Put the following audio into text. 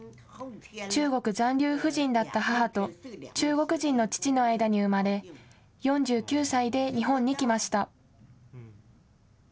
中国残留婦人だった母と中国人の父の間に生まれ４９歳で日本に来ました。